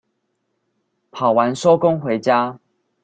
跑完收工回家